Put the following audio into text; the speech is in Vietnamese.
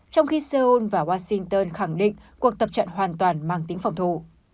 trong khi seoul và washington khẳng định cuộc tập trận hoàn toàn mang tính phòng thủ